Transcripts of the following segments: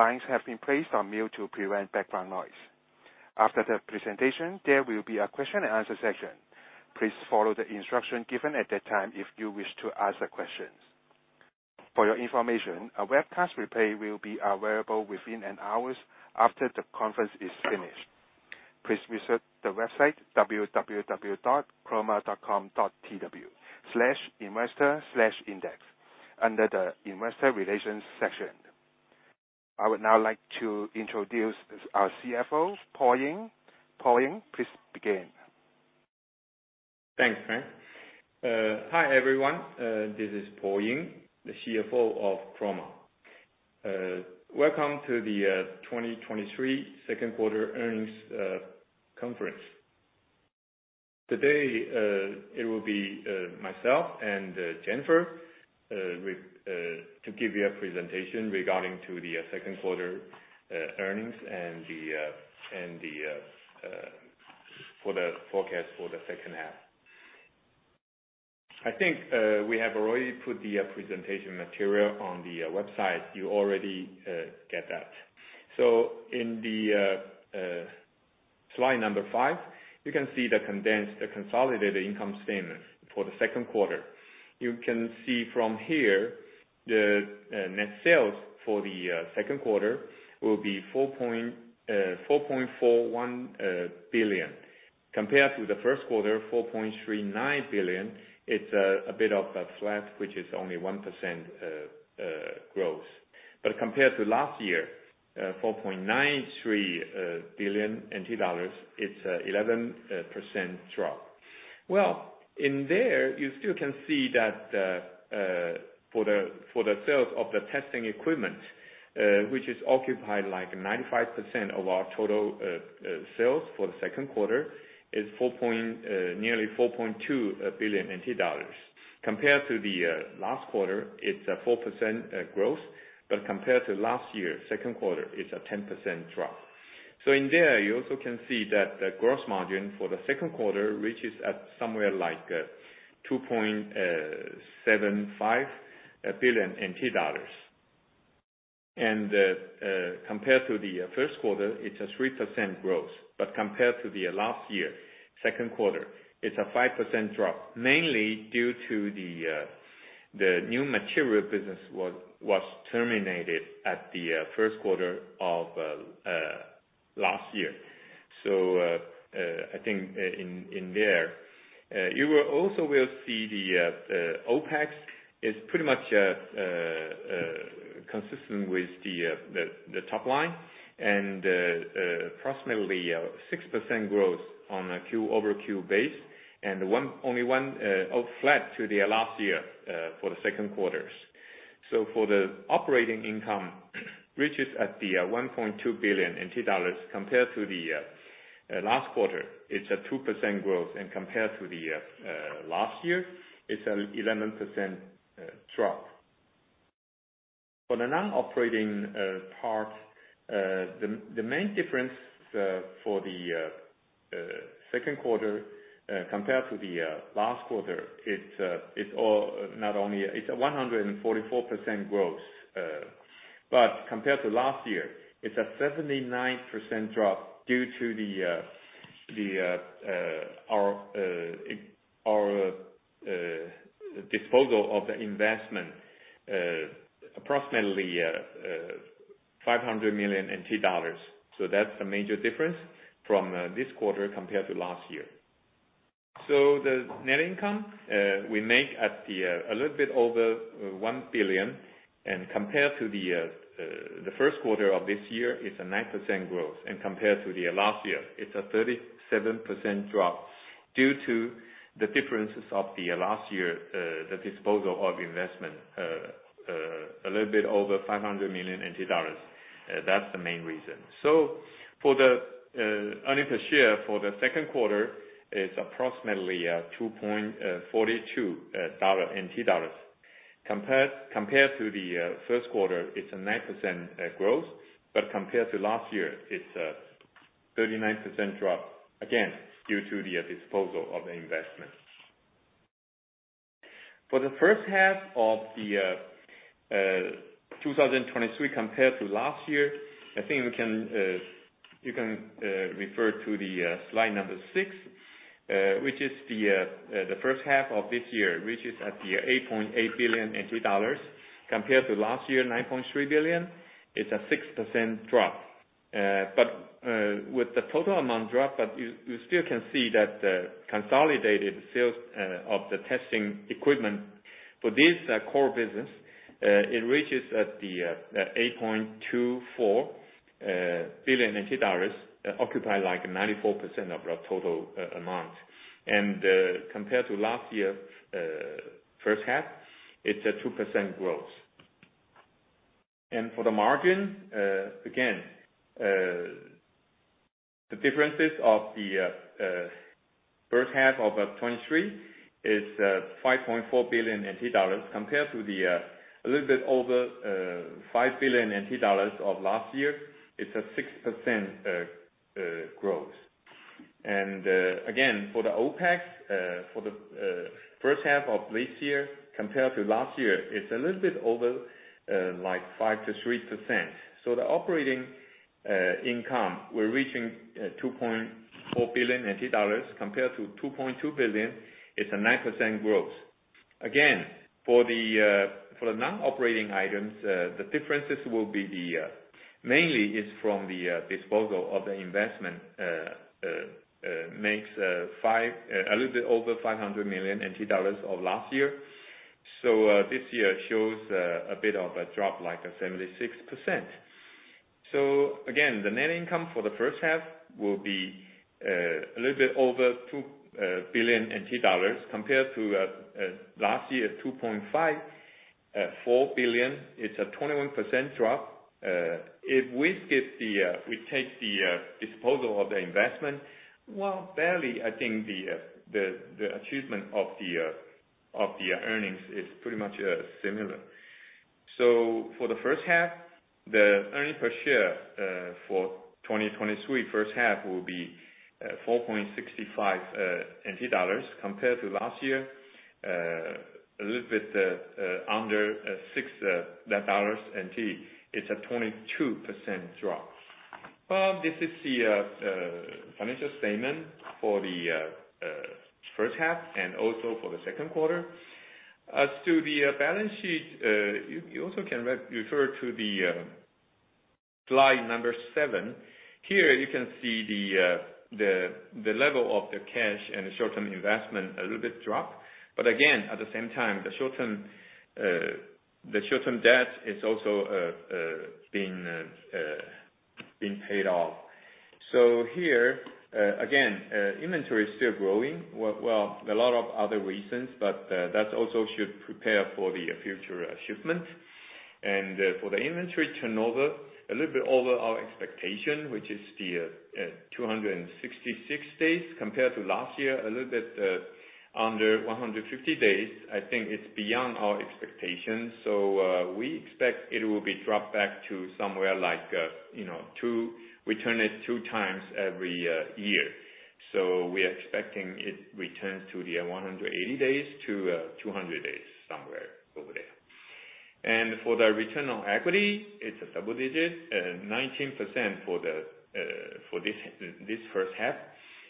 All lines have been placed on mute to prevent background noise. After the presentation, there will be a question and answer session. Please follow the instructions given at that time if you wish to ask the questions. For your information, a webcast replay will be available within an hour after the conference is finished. Please visit the website www.chroma.com.tw/investor/index under the Investor Relations section. I would now like to introduce our CFO, Paul Ying. Paul Ying, please begin. Thanks, Frank. Hi, everyone. This is Paul Ying, the CFO of Chroma. Welcome to the 2023 Q2 earnings conference. Today, it will be myself and Jennifer to give you a presentation regarding the Q2 earnings and the forecast for the H2. I think we have already put the presentation material on the website. You already get that. In the slide number five, you can see the condensed, the consolidated income statement for the Q2. You can see from here, the net sales for the Q2 will be NT$ 4.41 billion. Compared to the Q1, NT$ 4.39 billion, it's a bit of a flat, which is only 1% growth. Compared to last year, NT$ 4.93 billion, it's 11% drop. Well, in there, you still can see that for the sales of the testing equipment, which is occupied like 95% of our total sales for the Q2, is nearly NT$ 4.2 billion. Compared to the last quarter, it's a 4% growth, compared to last year, Q2, it's a 10% drop. In there, you also can see that the gross margin for the Q2 reaches at somewhere like NT$ 2.75 billion. Compared to the Q1, it's a 3% growth. Compared to the last year, Q2, it's a 5% drop, mainly due to the new material business was terminated at the Q1 of last year. I think in there, you will also will see the OPEX is pretty much consistent with the the top line and approximately 6% growth on a Q over Q base, and only one flat to the last year for the Q2. For the operating income, reaches at the NT$1.2 billion compared to the last quarter, it's a 2% growth. Compared to the last year, it's an 11% drop. For the non-operating part, the main difference for the Q2 compared to the last quarter, it's a 144% growth, but compared to last year, it's a 79% drop due to the disposal of the investment, approximately NT$ 500 million. That's a major difference from this quarter compared to last year. The net income we make at a little bit over NT$ 1 billion. Compared to the Q1 of this year, it's a 9% growth. Compared to the last year, it's a 37% drop due to the differences of the last year, the disposal of investment, a little bit over NT$ 500 million. That's the main reason. For the earnings per share for the Q2 is approximately NT$ 2.42. Compared to the Q1, it's a 9% growth, but compared to last year, it's a 39% drop, again, due to the disposal of the investment. For the H1 of 2023 compared to last year, I think we can, you can refer to the slide 6, which is the H1 of this year, which is at the NT$ 8.8 billion. Compared to last year, NT$ 9.3 billion, it's a 6% drop. With the total amount drop, but you still can see that the consolidated sales of the testing equipment for this core business, it reaches at the NT$ 8.24 billion, occupy like 94% of our total amount. Compared to last year, H1, it's a 2% growth. For the margin, again, the differences of the H1 of 2023 is NT$ 5.4 billion. Compared to the a little bit over NT$ 5 billion of last year, it's a 6% growth. Again, for the OPEX, for the H1 of this year compared to last year, it's a little bit over, like 5% to 3%. The operating income, we're reaching NT$ 2.4 billion compared to NT$ 2.2 billion. It's a 9% growth. Again, for the non-operating items, the differences will be mainly from the disposal of the investment, makes a little bit over NT$ 500 million of last year. This year shows a bit of a drop, like 76%. Again, the net income for the H1 will be a little bit over NT$ 2 billion compared to last year, NT$ 2.54 billion. It's a 21% drop. If we skip the, we take the disposal of the investment, well, barely, I think the, the, the achievement of the earnings is pretty much similar. For the H1, the earnings per share for 2023 H1 will be NT$4.65 compared to last year, a little bit under NT$6. It's a 22% drop. This is the financial statement for the H1 and also for the Q2. As to the balance sheet, you, you also can re- refer to the slide number 7. Here, you can see the, the, the level of the cash and the short-term investment a little bit drop. Again, at the same time, the short term, the short-term debt is also being paid off. Here, again, inventory is still growing. Well, well, a lot of other reasons, but that also should prepare for the future shipment. For the inventory turnover, a little bit over our expectation, which is the 266 days compared to last year, a little bit under 150 days. I think it's beyond our expectations, we expect it will be dropped back to somewhere like, you know, two times every year. We are expecting it returns to the 180 days to 200 days, somewhere over there. For the return on equity, it's a double digit, 19% for the, for this, this H1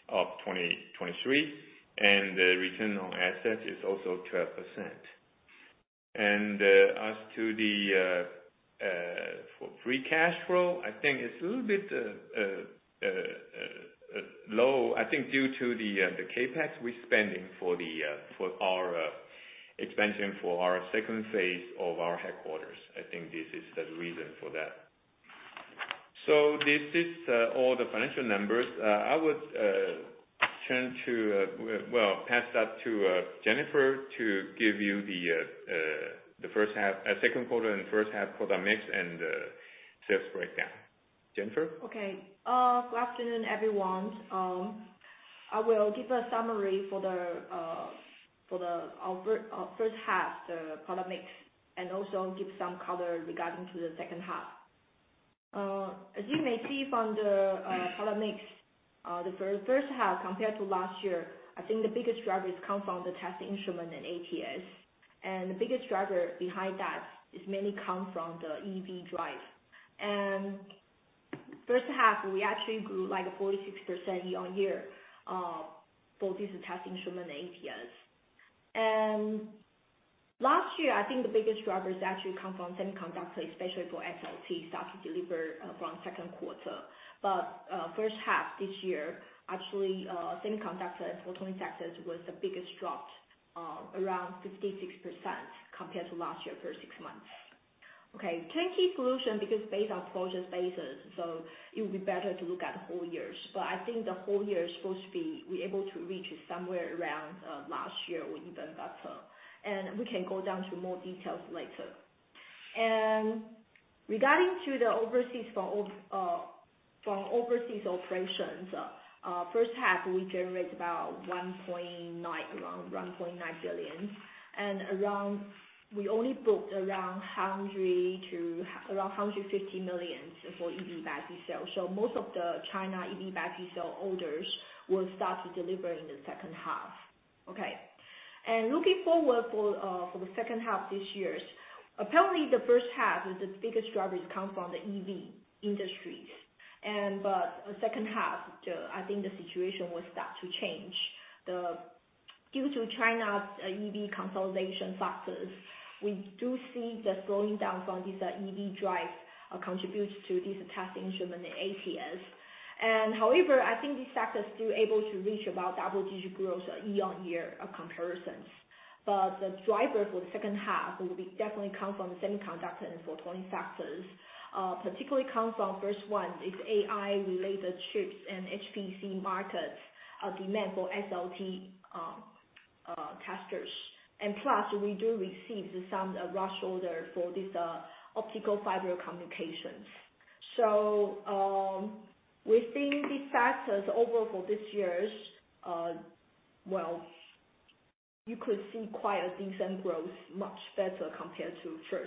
of 2023. The return on assets is also 12%. As to the for free cash flow, I think it's a little bit low, I think due to the CapEx we're spending for the for our expansion for our second phase of our headquarters. I think this is the reason for that. This is all the financial numbers. I would, well, pass that to Jennifer to give you the the H1, Q2 and H1 product mix and sales breakdown. Jennifer? Okay. Good afternoon, everyone. I will give a summary for our H1, the product mix, and also give some color regarding to the H2. As you may see from the product mix, the H1 compared to last year, I think the biggest drivers come from the test instrument and ATS. The biggest driver behind that is mainly come from the EV drive. H1, we actually grew like 46% year-on-year for this test instrument, ATS. Last year, I think the biggest driver is actually come from semiconductor, especially for SLT, started to deliver from Q2. H1 this year, actually, semiconductor and photonics was the biggest drop, around 56% compared to last year, first six months. Turnkey solution, because based on project basis, it would be better to look at the whole years. I think the whole year is supposed to be, we're able to reach somewhere around last year or even better, and we can go down to more details later. Regarding to the overseas for from overseas operations, H1, we generate about NT$ 1.9 billion, around NT$ 1.9 billion. We only booked around NT$ 100 million to around NT$ 150 million for EV battery cell. Most of the China EV battery cell orders will start to deliver in the H2. Looking forward for the H2 this year, apparently the H1 was the biggest drivers come from the EV industries. The H2, I think the situation will start to change. Due to China's EV consolidation factors, we do see the slowing down from this EV drive contributes to this test instrument, the ATS. However, I think this factor is still able to reach about double-digit growth year on year comparisons. The driver for the H2 will be definitely come from the semiconductor and photonics factors, particularly come from first one, is AI-related chips and HPC market demand for SLT testers. Plus, we do receive some rush order for this optical fiber communications. We think these factors overall for this year, you could see quite a decent growth, much better compared to H1,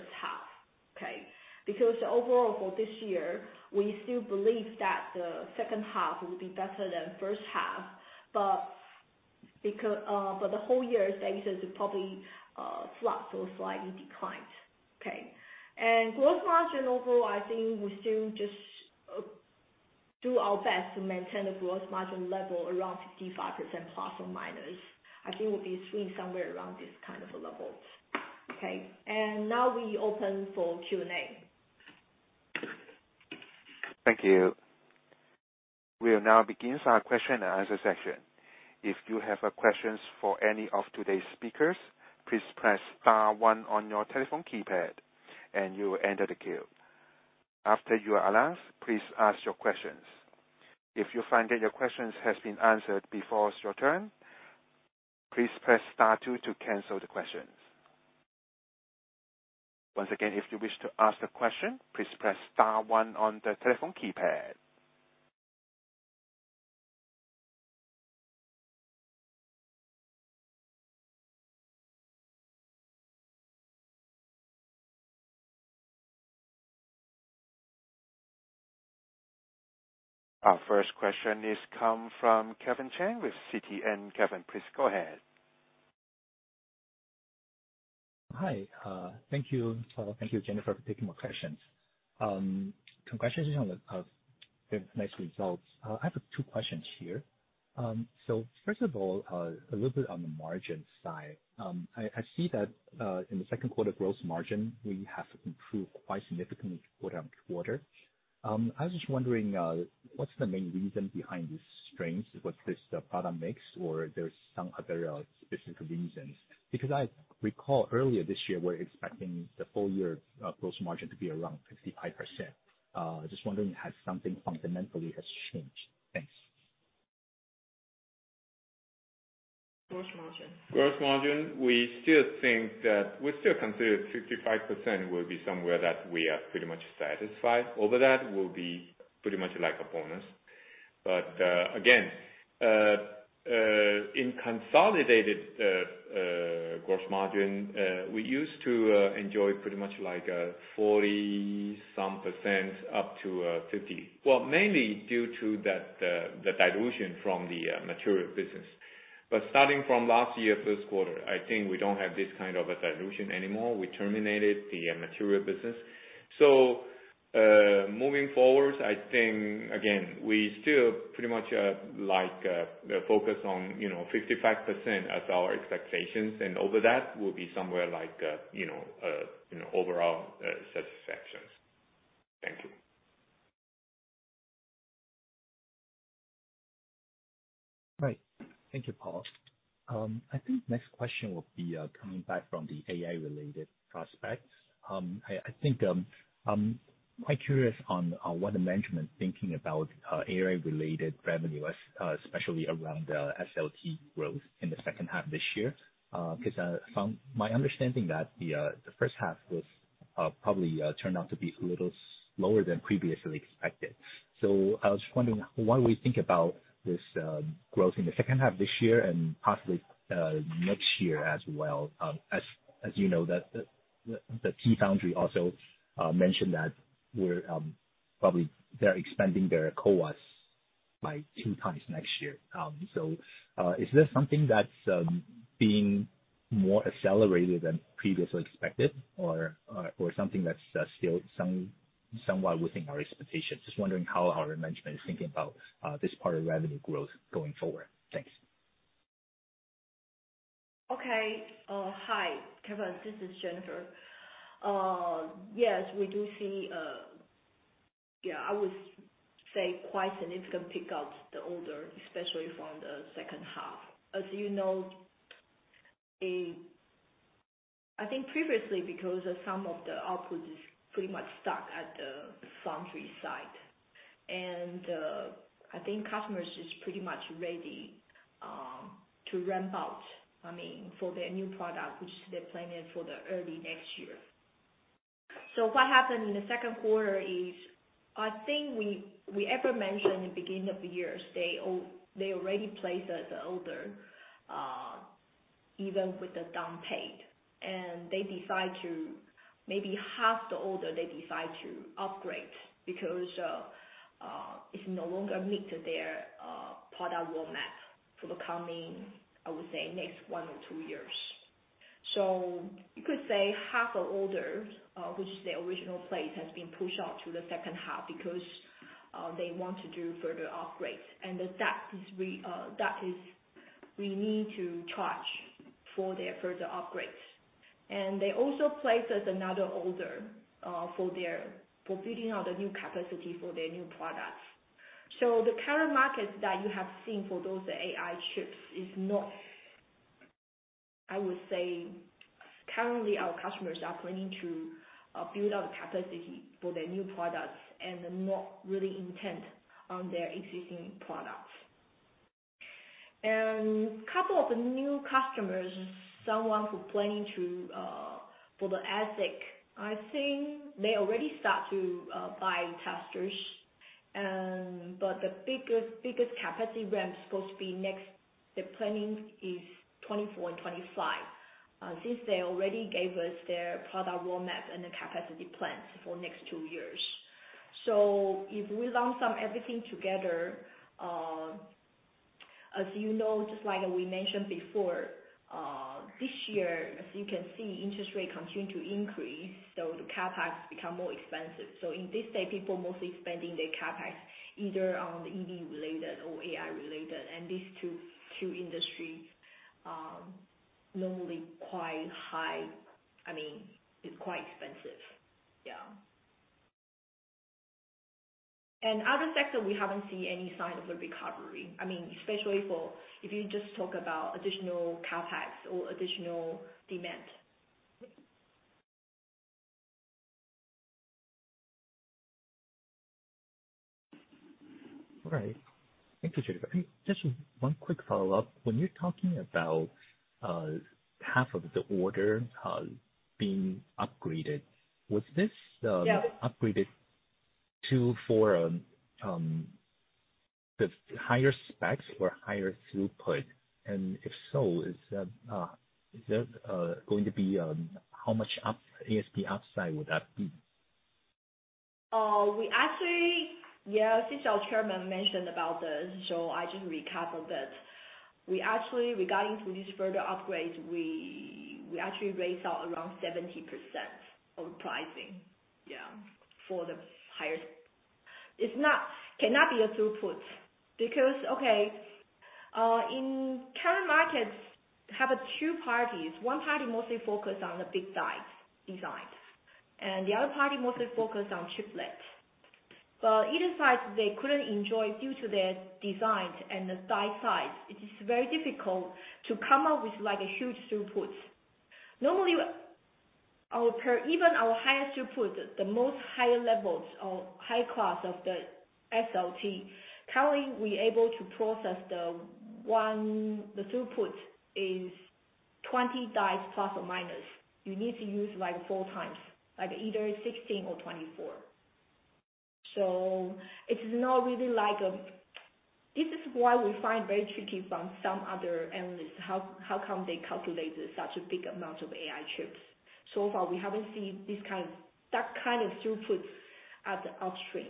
okay? Because overall for this year, we still believe that the H2 will be better than H1, but the whole year status is probably flat or slightly declined. Okay. Gross margin overall, I think we still just do our best to maintain the gross margin level around ±55%. I think it will be swing somewhere around this kind of a level. Okay. Now we open for Q&A. Thank you. We'll now begin our question and answer section. If you have questions for any of today's speakers, please press star one on your telephone keypad, and you will enter the queue. After you are announced, please ask your questions. If you find that your question has been answered before it's your turn, please press star two to cancel the questions. Once again, if you wish to ask a question, please press star one on the telephone keypad. Our first question is come from Kevin Chang with CTN. Kevin, please go ahead. Hi, thank you. Thank you, Jennifer, for taking my questions. Congratulations on the nice results. I have two questions here. First of all, a little bit on the margin side. I, I see that in the Q2, gross margin, we have improved quite significantly quarter-on-quarter. I was just wondering, what's the main reason behind this strength? Was this the product mix or there's some other specific reasons? Because I recall earlier this year, we're expecting the full year gross margin to be around 55%. Just wondering, has something fundamentally has changed? Thanks. Gross margin. Gross margin, we still think that we still consider 65% will be somewhere that we are pretty much satisfied. Over that will be pretty much like a bonus. Again, in consolidated gross margin, we used to enjoy pretty much like 40-some% up to 50%. Well, mainly due to that, the dilution from the material business. Starting from last year, Q1, I think we don't have this kind of a dilution anymore. We terminated the material business. Moving forward, I think, again, we still pretty much like focus on, you know, 55% as our expectations, and over that will be somewhere like, you know, overall satisfaction. Thank you. Right. Thank you, Paul. I think next question will be coming back from the AI-related prospects. I, I think, I'm quite curious on, on what the management thinking about AI-related revenue, especially around the SLT growth in the H2 of this year. From my understanding that the H1 was probably turned out to be a little lower than previously expected. I was just wondering, what do we think about this growth in the H2 of this year and possibly next year as well? You know, the TSMC also mentioned that we're probably they're expanding their CoWoS by 2 times next year. Is this something that's being more accelerated than previously expected or, or something that's still somewhat within our expectations? Just wondering how our management is thinking about this part of revenue growth going forward. Thanks. Okay. Hi, Kevin, this is Jennifer. Yes, we do see, yeah, I would say quite significant pick up the order, especially from the H2. As you know, I think previously because some of the output is pretty much stuck at the foundry site, and I think customers is pretty much ready to ramp out, I mean, for their new product, which they planned for the early next year. What happened in the Q2 is, I think we, we ever mentioned in the beginning of the year, they already placed the order, even with the down paid, and they decide to maybe half the order, they decide to upgrade. Because it no longer meet their product roadmap for the coming, I would say, next one or two years. You could say half the orders, which is the original place, has been pushed out to the H2 because they want to do further upgrades. That is, we need to charge for their further upgrades. They also placed another order for building out the new capacity for their new products. The current market that you have seen for those AI chips is not, I would say, currently our customers are planning to build out the capacity for their new products and not really intent on their existing products. Couple of the new customers, someone who planning to for the ASIC, I think they already start to buy testers.... The biggest, biggest capacity ramp supposed to be next, the planning is 2024 and 2025, since they already gave us their product roadmap and the capacity plans for next two years. If we lump sum everything together, as you know, just like we mentioned before, this year, as you can see, interest rate continue to increase, the CapEx become more expensive. In this state, people mostly spending their CapEx either on EV related or AI related, and these two, two industries, normally quite high. I mean, it's quite expensive. Yeah. Other sector, we haven't seen any sign of a recovery. I mean, especially for, if you just talk about additional CapEx or additional demand. All right. Thank you, Jennifer. Just one quick follow-up. When you're talking about, half of the order, being upgraded, was this? Yeah. upgraded to for, the higher specs or higher throughput? If so, is that is that going to be how much up ASP upside would that be? We actually, yeah, since our chairman mentioned about this, I just recap a bit. We actually, regarding to this further upgrade, we actually raised out around 70% of pricing, yeah, for the higher. It's not, cannot be a throughput because in current markets have two parties. One party mostly focused on the big dies designs, and the other party mostly focused on chiplet. Either side, they couldn't enjoy due to their design and the die size. It is very difficult to come up with, like, a huge throughput. Normally, even our highest throughput, the most higher levels of high class of the SLT, currently we're able to process the one, the throughput is 20 dies, ±. You need to use, like, four times, like, either 16 or 24. It is not really like. This is why we find very tricky from some other analysts, how, how come they calculate such a big amount of AI chips? So far, we haven't seen this kind, that kind of throughput at the upstream.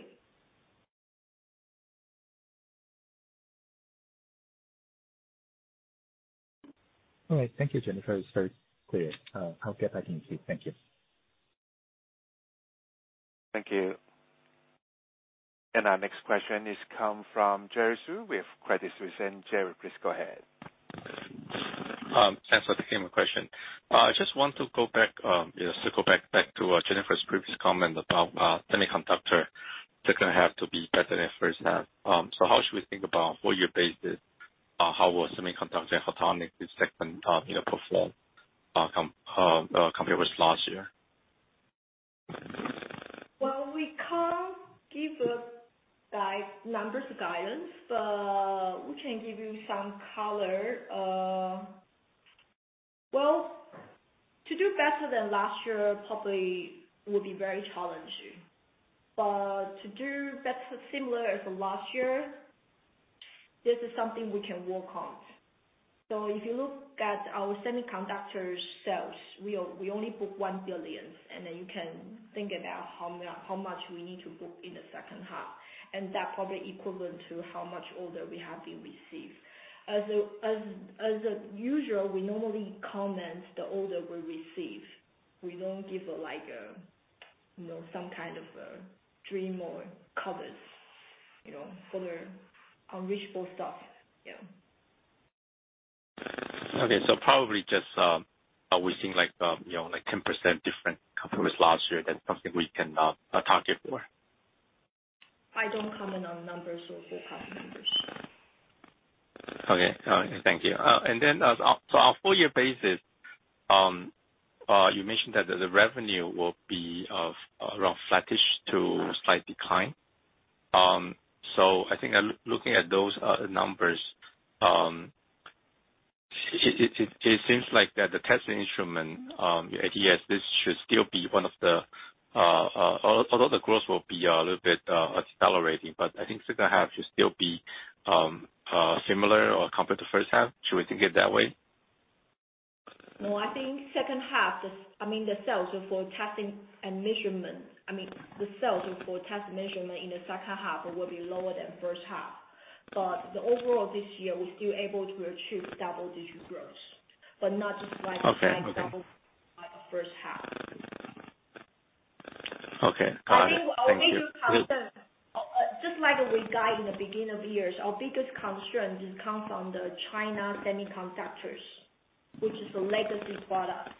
All right. Thank you, Jennifer. It's very clear. I'll get back to you. Thank you. Thank you. Our next question is come from Jerry Su with Credit Suisse. Jerry, please go ahead. Thanks for the question. I just want to go back, you know, circle back, back to Jennifer's previous comment about semiconductor that gonna have to be better than H1. How should we think about full year basis, how will semiconductor and photonic segment, you know, perform, compared with last year? Well, we can't give a guide, numbers guidance, but we can give you some color. Well, to do better than last year probably will be very challenging. To do better, similar as last year, this is something we can work on. If you look at our semiconductor sales, we only, we only book NT$ 1 billion, and then you can think about how much we need to book in the H2, and that probably equivalent to how much order we have been received. As a usual, we normally comment the order we receive. We don't give a, like a, you know, some kind of a dream or covers, you know, for unreachable stuff. Yeah. Okay. probably just, are we seeing like, you know, like, 10% different compared with last year, that's something we can, target for? I don't comment on numbers or full count numbers. Okay. All right, thank you. Then as, our full year basis, you mentioned that the revenue will be of around flattish to slight decline. I think I'm looking at those numbers, it, it, it, it seems like that the testing instrument, the ATS, this should still be one of the... Although the growth will be a little bit accelerating, but I think H2 should still be similar or compared to H1. Should we think it that way? No, I think H2, I mean, the sales for testing and measurement, I mean, the sales for test measurement in the H2 will be lower than H1. The overall this year, we're still able to achieve double-digit growth, but not just. Okay. Okay. Double like the H1. Okay. Got it. Our biggest concern- Thank you. Just like we guide in the beginning of the years, our biggest constraint comes from the China semiconductors, which is a legacy product.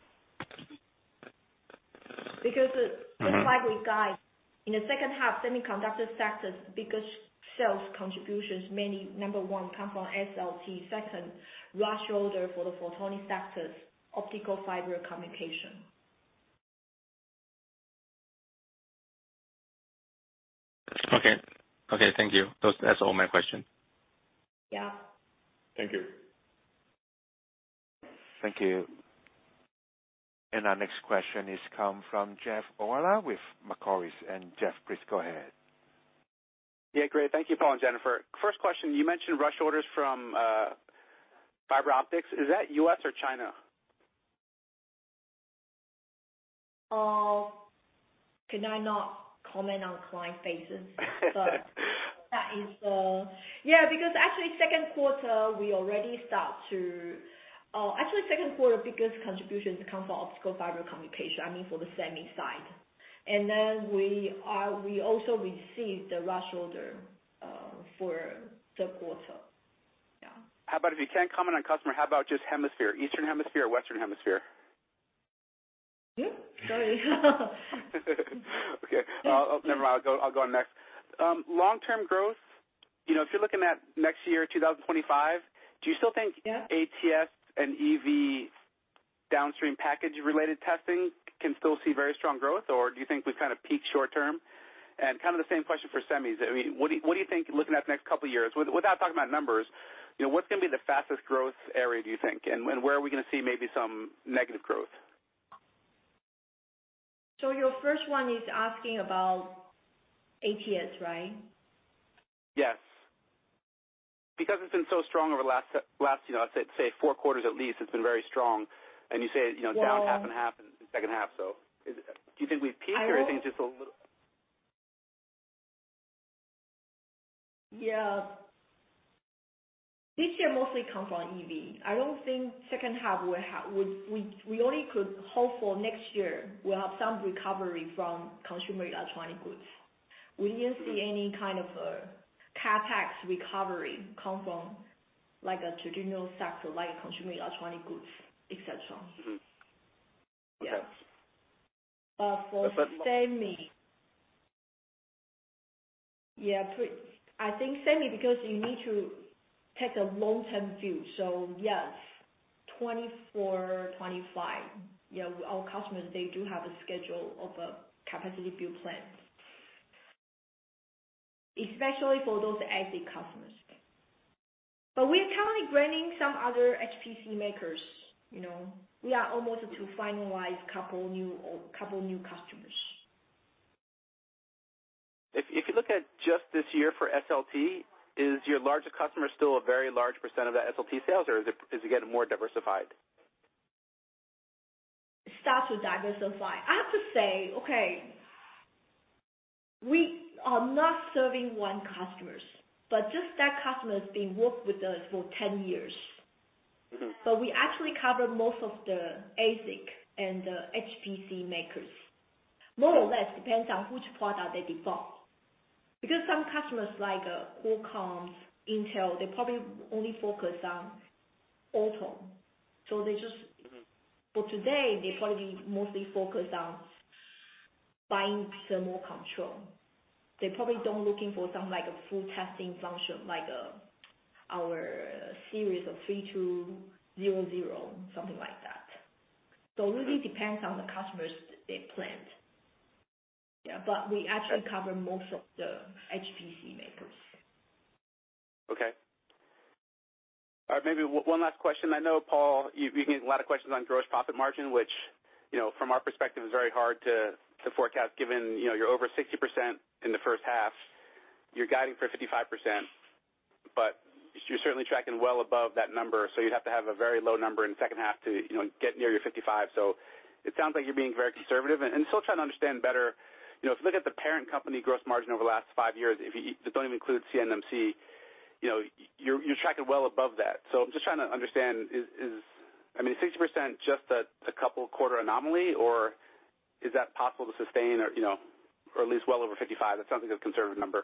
Just like we guide, in the H2, semiconductor sectors, biggest sales contributions, mainly number 1, come from SLT. Second, large order for the photonic sectors, optical fiber communication. Okay. Okay, thank you. Those, that's all my question. Yeah. Thank you. Thank you. Our next question is come from Jeff Orla with Macquarie. Jeff, please go ahead. Yeah, great. Thank you, Paul and Jennifer. First question, you mentioned rush orders from fiber optics. Is that U.S. or China? Can I not comment on client faces? That is. Yeah, because actually Q2, we already start to, actually, Q2, biggest contributions come from optical fiber communications, I mean, for the semi side. We also received the rush order for Q3. Yeah. How about if you can't comment on customer, how about just hemisphere, Eastern Hemisphere or Western Hemisphere? Yeah, sorry. Okay, never mind. I'll go, I'll go on next. Long-term growth, you know, if you're looking at next year, 2025, do you still think- Yeah. ATS and EV downstream package-related testing can still see very strong growth? Do you think we've kind of peaked short term? Kind of the same question for semis. I mean, what do, what do you think, looking at the next couple of years, with- without talking about numbers, you know, what's going to be the fastest growth area, do you think? And where are we going to see maybe some negative growth? Your first one is asking about ATS, right? Yes. Because it's been so strong over the last, last, you know, I'd say, say four quarters at least, it's been very strong. You say, you know- Yeah. down half and half in the H2. Is, do you think we've peaked, or do you think it's just a little? Yeah. This year mostly come from EV. I don't think H2 will have. We, we, we only could hope for next year, we'll have some recovery from consumer electronic goods. We didn't see any kind of CapEx recovery come from like a traditional sector, like consumer electronic goods, et cetera. Mm-hmm. Yes. Okay. for semi- The second one. Yeah, I think semi, because you need to take a long-term view. Yes, 2024, 2025, you know, our customers, they do have a schedule of capacity build plans, especially for those ASIC customers. We are currently bringing some other HPC makers, you know, we are almost to finalize couple new or couple new customers. If you look at just this year for SLT, is your larger customer still a very large % of the SLT sales, or is it getting more diversified? Start to diversify. I have to say, okay, we are not serving one customers, but just that customer has been worked with us for 10 years. Mm-hmm. We actually cover most of the ASIC and the HPC makers. More or less, depends on which product they default. Because some customers, like Qualcomm, Intel, they probably only focus on auto. They just- Mm-hmm. For today, they probably mostly focus on buying thermal control. They probably don't looking for some, like, a full testing function, like, our series of 3200, something like that. It really depends on the customers' data plans. Yeah, we actually cover most of the HPC makers. Okay. All right, maybe one last question. I know, Paul, you, you're getting a lot of questions on gross profit margin, which, you know, from our perspective, is very hard to, to forecast, given, you know, you're over 60% in the H1. You're guiding for 55%, but you're certainly tracking well above that number, so you'd have to have a very low number in the H2 to, you know, get near your 55. It sounds like you're being very conservative and, and still trying to understand better. You know, if you look at the parent company gross margin over the last five years, if you, just don't even include NMC, you know, you're, you're tracking well above that. I'm just trying to understand, is, is... I mean, 60%, just a, a couple quarter anomaly, or is that possible to sustain or, you know, or at least well over 55? That sounds like a conservative number.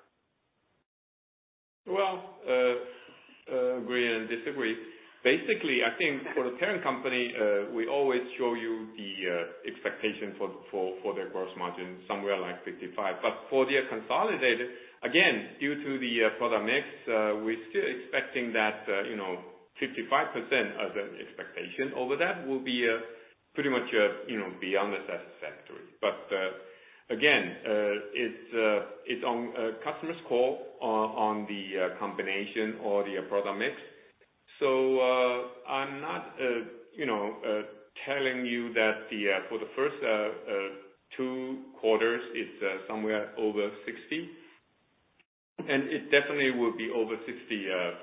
Well, agree and disagree. Basically, I think for the parent company, we always show you the expectation for, for, for the gross margin, somewhere like 55. For the consolidated, again, due to the product mix, we're still expecting that, you know, 55% as an expectation. Over that will be pretty much, you know, beyond the satisfactory. Again, it's it's on customer's call on, on the combination or the product mix. I'm not, you know, telling you that the for the first two quarters, it's somewhere over 60, and it definitely will be over 60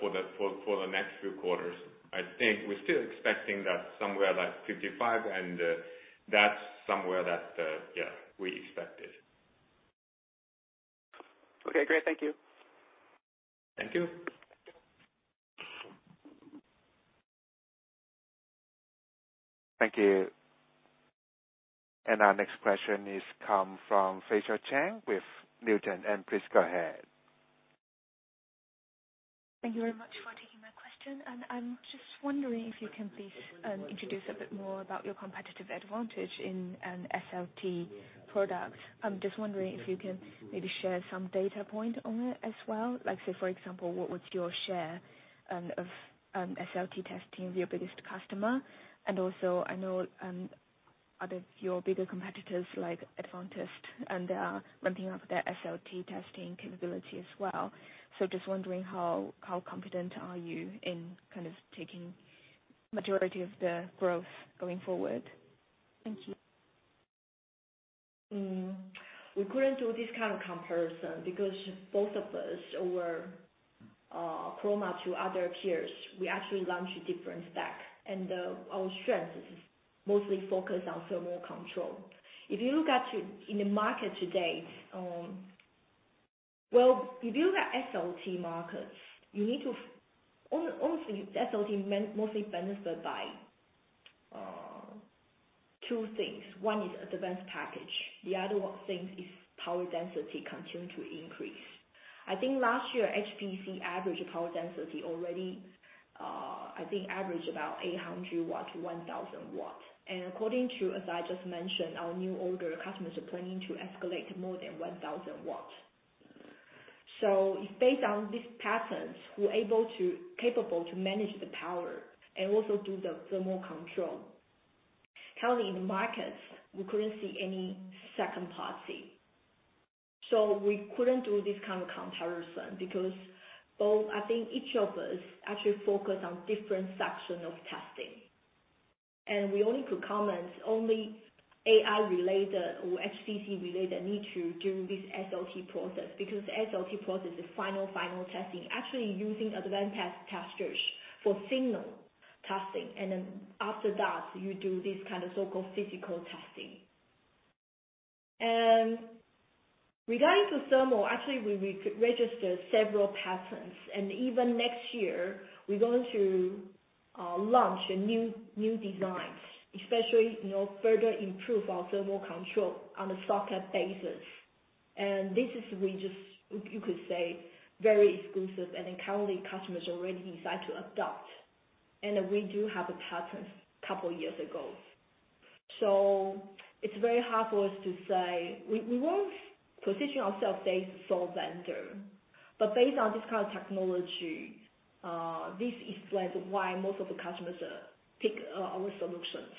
for the, for, for the next few quarters. I think we're still expecting that somewhere like 55, and that's somewhere that, yeah, we expect it. Okay, great. Thank you. Thank you. Thank you. Our next question is come from Faisal Chang with Newton, and please go ahead. Thank you very much for taking my question. I'm just wondering if you can please introduce a bit more about your competitive advantage in an SLT product. I'm just wondering if you can maybe share some data point on it as well. Like, say, for example, what was your share of SLT testing your biggest customer? Also, I know other, your bigger competitors like Advantest, and they are ramping up their SLT testing capability as well. Just wondering how, how confident are you in kind of taking majority of the growth going forward? Thank you. We couldn't do this kind of comparison because both of us were Chroma to other peers. We actually launched a different stack, our strength is mostly focused on thermal control. If you look in the market today, well, if you look at SLT markets, you need to honestly, SLT mostly benefited by 2 things. One is advanced packaging, the other one thing is power density continue to increase. I think last year, HPC average power density already, I think average about 800 watts to 1,000 watts. According to, as I just mentioned, our new older customers are planning to escalate more than 1,000 watts. Based on these patterns, we're able to, capable to manage the power and also do the thermal control. Currently in the markets, we couldn't see any second party. We couldn't do this kind of comparison because both. I think each of us actually focus on different section of testing. We only could comment only AI-related or HPC-related need to do this SLT process, because the SLT process is final, final testing, actually using advanced test testers for signal testing, and then after that, you do this kind of so-called physical testing. Regarding to thermal, actually, we re-registered several patents, and even next year, we're going to launch a new, new design, especially, you know, further improve our thermal control on a socket basis. This is we just, you could say, very exclusive, and then currently, customers already decide to adopt. We do have a patent couple years ago. It's very hard for us to say. We, we won't position ourselves as sole vendor, but based on this kind of technology, this is like why most of the customers pick our solutions.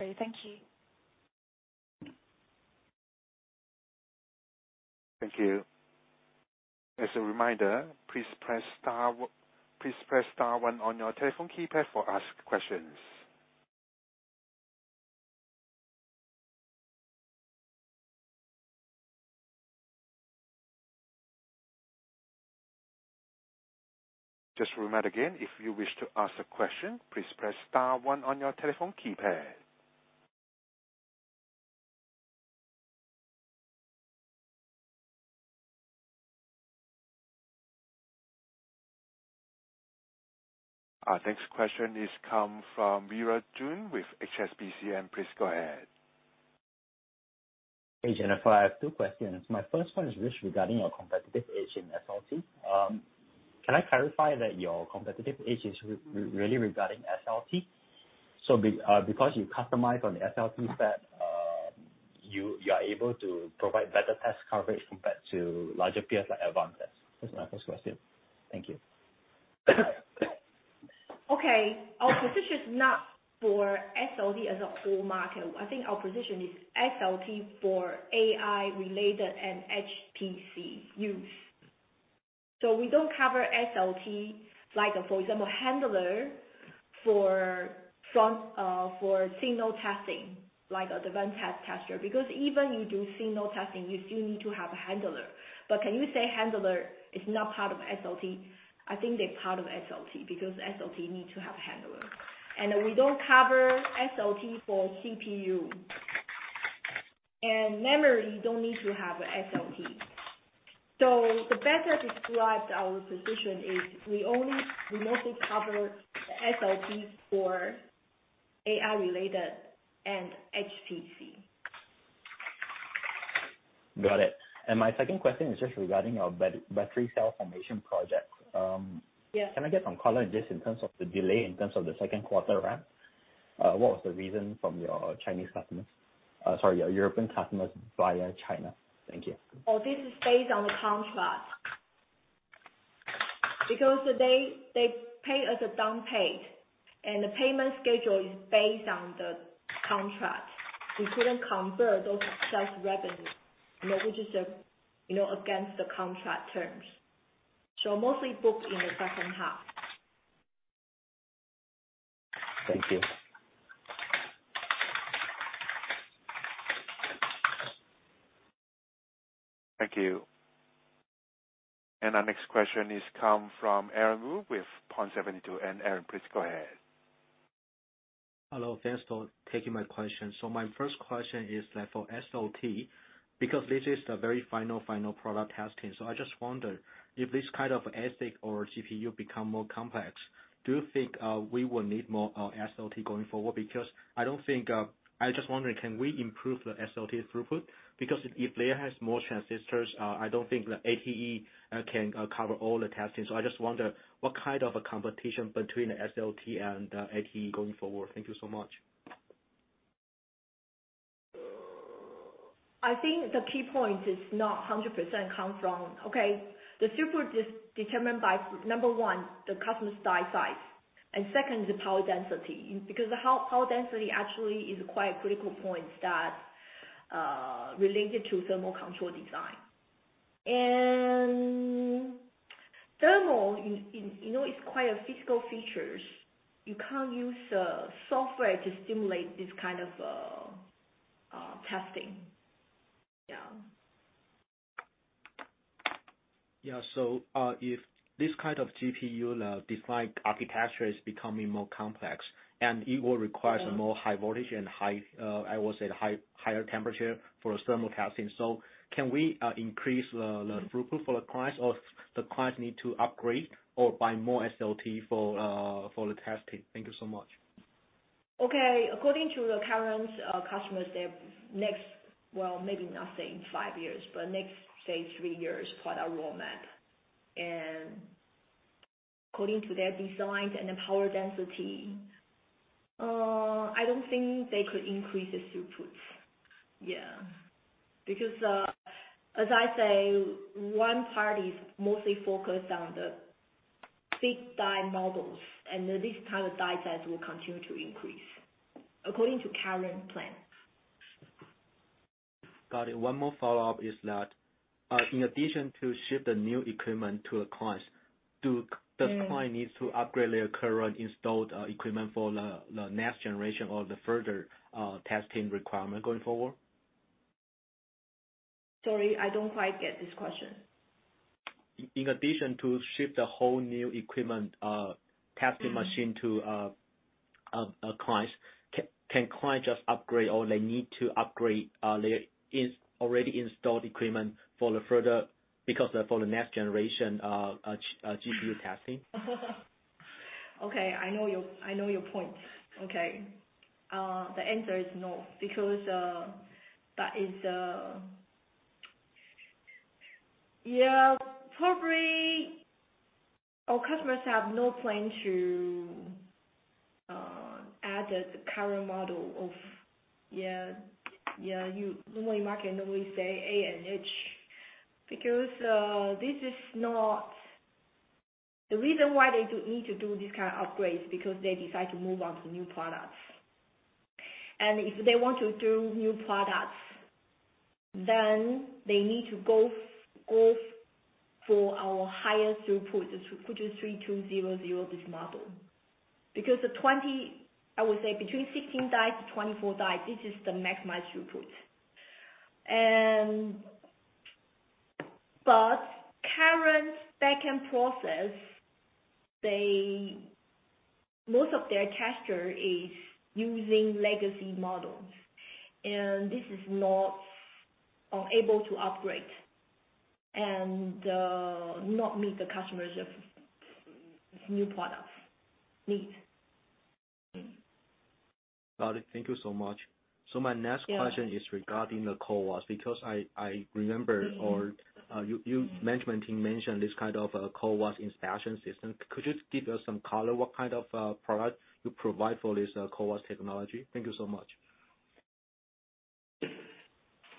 Okay, thank you. Thank you. As a reminder, please press star one on your telephone keypad for ask questions. Just a reminder again, if you wish to ask a question, please press star one on your telephone keypad. Our next question is come from Vera Liu with HSBC, please go ahead. Hey, Jennifer, I have two questions. My first one is just regarding your competitive edge in SLT. Can I clarify that your competitive edge is really regarding SLT? Because you customize on the SLT set, you are able to provide better test coverage compared to larger peers like Advantest. That's my first question. Thank you. Okay. Our position is not for SLT as a whole market. I think our position is SLT for AI-related and HPC use. We don't cover SLT, like, for example, handler for front, for signal testing, like a different test tester, because even you do signal testing, you still need to have a handler. Can you say handler is not part of SLT? I think they're part of SLT, because SLT need to have a handler. We don't cover SLT for CPU. Memory, you don't need to have a SLT. The better described our position is, we only, we mostly cover the SLT for AI-related and HPC. Got it. My second question is just regarding our battery cell formation project. Yes. Can I get some color just in terms of the delay, in terms of the Q2 ramp? What was the reason from your Chinese customers? Sorry, your European customers via China. Thank you. Oh, this is based on the contract. They, they pay us a down payment, and the payment schedule is based on the contract. We couldn't convert those sales revenue, you know, which is, you know, against the contract terms. Mostly booked in the H2. Thank you. Thank you. Our next question is come from Aaron Wu with Point72. Aaron, please go ahead. Hello. Thanks for taking my question. My first question is that for SLT, because this is the very final, final product testing, I just wonder if this kind of ASIC or GPU become more complex, do you think we will need more SLT going forward? I don't think, I was just wondering, can we improve the SLT throughput? If layer has more transistors, I don't think the ATE can cover all the testing. I just wonder what kind of a competition between the SLT and ATE going forward. Thank you so much. I think the key point is not 100% come from, okay, the throughput is determined by, number one, the customer's die size, and second, the power density. Because the power density actually is quite a critical point that related to thermal control design. Thermal, you know, it's quite a physical features. You can't use software to simulate this kind of testing. Yeah. Yeah, if this kind of GPU, design architecture is becoming more complex, it will require- Mm-hmm. some more high voltage and I would say, higher temperature for thermal testing. Can we increase the throughput for the clients, or the clients need to upgrade or buy more SLT for the testing? Thank you so much. Okay. According to the current customers, their next, well, maybe not say in five years, but next, say, three years, for their roadmap, and according to their designs and the power density, I don't think they could increase the throughput. Because, as I say, one party is mostly focused on the big die models, and this kind of die size will continue to increase, according to current plan. Got it. One more follow-up is that, in addition to ship the new equipment to the clients. Mm. The client needs to upgrade their current installed equipment for the, the next generation or the further, testing requirement going forward? Sorry, I don't quite get this question. In addition to ship the whole new equipment, testing. Mm. clients, can client just upgrade, or can client just upgrade, or they need to upgrade, their already installed equipment for the further, because, for the next generation, GPU testing? Okay, I know your, I know your point. Okay. The answer is no, because that is, yeah, probably our customers have no plan to add the current model of yeah, you, the way market normally say A and H. Because the reason why they do, need to do these kind of upgrades, because they decide to move on to new products. If they want to do new products, then they need to go, go for our higher throughput, which is 3200, this model. Because the 20, I would say between 16 die to 24 die, this is the maximized throughput. Current backend process, they, most of their tester is using legacy models, and this is not, unable to upgrade and not meet the customers' of new products need. Got it. Thank you so much. My next question- Yeah. is regarding the CoWoS, because I, I remember- Mm-hmm. You, you management team mentioned this kind of CoWoS installation system. Could you just give us some color, what kind of product you provide for this CoWoS technology? Thank you so much.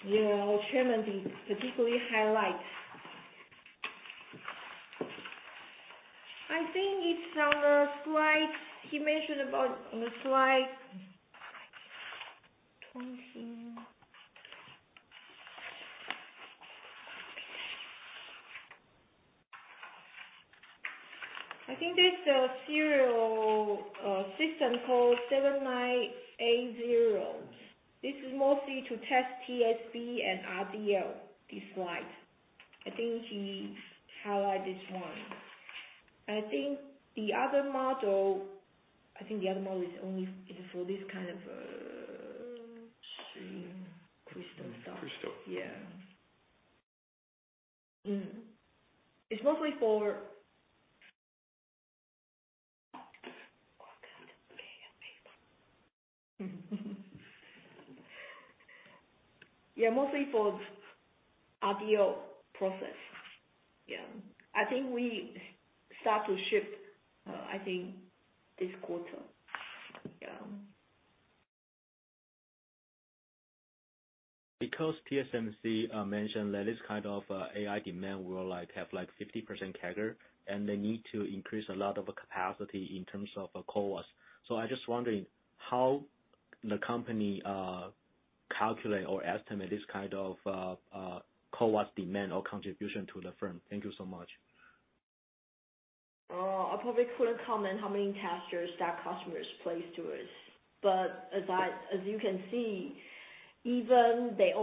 Yeah, our chairman particularly highlights. I think it's on the slides. He mentioned about on the slide 20. I think there's a serial system called 79A0. This is mostly to test TSV and RDL, this slide. I think he highlights this one. I think the other model, I think the other model is only is for this kind of stream crystal stuff. Crystal. Yeah. Mm. It's mostly for... Yeah, mostly for RDL process. Yeah. I think we start to ship, I think this quarter. Yeah. Because TSMC mentioned that this kind of AI demand will like, have, like, 50% CAGR, and they need to increase a lot of capacity in terms of CoWoS. I just wondering, how the company calculate or estimate this kind of CoWoS demand or contribution to the firm? Thank you so much. I probably couldn't comment how many testers that customers place to us. As I, as you can see, even they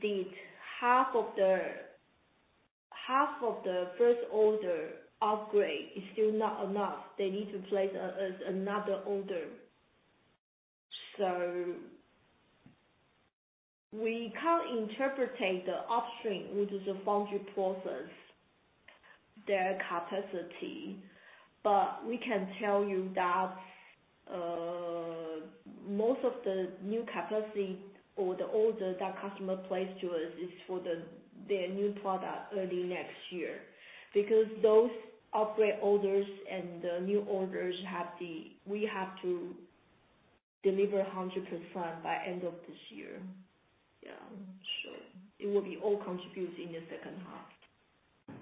did half of the first order, upgrade is still not enough. They need to place another order. We can't interpretate the upstream, which is the foundry process, their capacity, but we can tell you that, most of the new capacity or the orders that customer place to us, is for their new product early next year. Those upgrade orders and the new orders have the, we have to deliver 100% by end of this year. Yeah, sure. It will be all contributing in the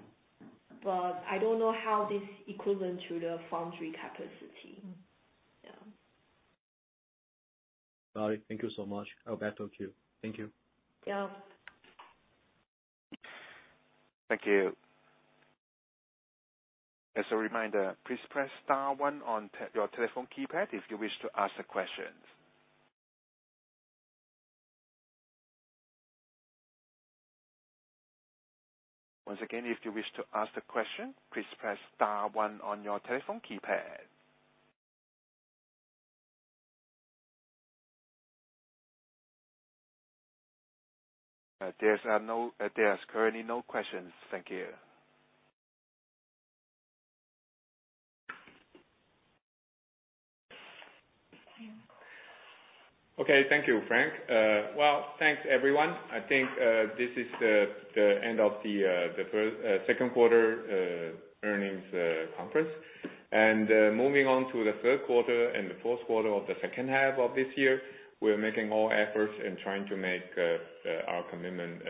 H2. I don't know how this equivalent to the foundry capacity. Yeah. Got it. Thank you so much. I'll back to you. Thank you. Yeah. Thank you. As a reminder, please press star one on your telephone keypad, if you wish to ask a question. Once again, if you wish to ask a question, please press star one on your telephone keypad. There are currently no questions. Thank you. Okay. Thank you, Frank. Well, thanks, everyone. I think this is the end of the first Q2 earnings conference. Moving on to the Q3 and the Q4 of the H2 of this year, we're making more efforts in trying to make our commitment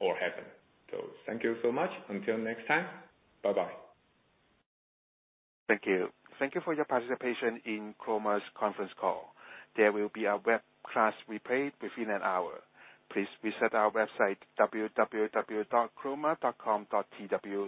all happen. Thank you so much. Until next time, bye-bye. Thank you. Thank you for your participation in Chroma's conference call. There will be a web class replay within an hour. Please visit our website, www.chroma.com.tw.